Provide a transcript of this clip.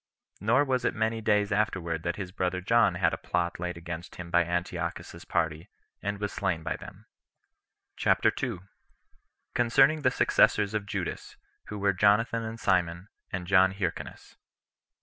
Nor was it many days afterward that his brother John had a plot laid against him by Antiochus's party, and was slain by them. CHAPTER 2. Concerning The Successors Of Judas, Who Were Jonathan And Simon, And John Hyrcanus.